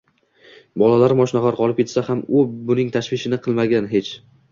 Bolalarim och-nahor qolib ketsa ham u buning tashvishini qilmagan, hech